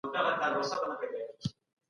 ګرګين د ميرويس خان نيکه په راتګ ولي خپه سو؟